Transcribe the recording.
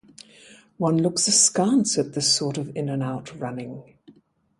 One looks askance at this sort of in-and-out running.